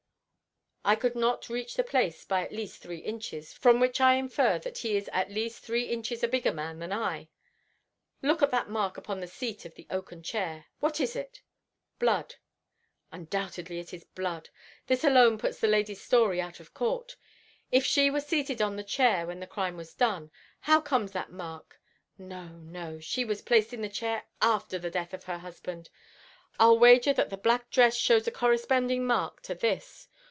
I could not reach the place by at least three inches, from which I infer that he is at least three inches a bigger man than I. Look at that mark upon the seat of the oaken chair! What is it?" "Blood." "Undoubtedly it is blood. This alone puts the lady's story out of court. If she were seated on the chair when the crime was done, how comes that mark? No, no; she was placed in the chair AFTER the death of her husband. I'll wager that the black dress shows a corresponding mark to this.